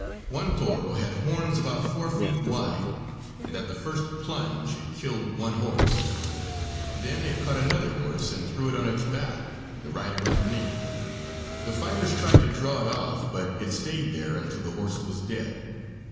One toro had horns about four feet wide, and at the first plunge it killed one horse. Then it caught another horse and threw it on its back, the rider underneath. The fighters tried to draw it off, but it stayed there until the horse was dead.